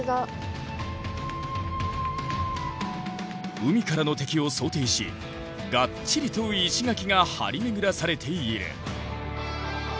海からの敵を想定しがっちりと石垣が張り巡らされている。